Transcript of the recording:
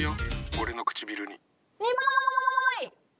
俺の唇に。